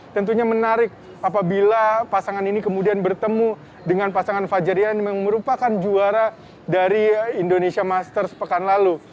tentunya menarik apabila pasangan ini kemudian bertemu dengan pasangan fajar rian yang merupakan juara dari indonesia masters pekan lalu